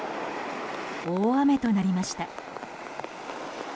大雨となりました。